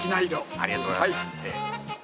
ありがとうございます。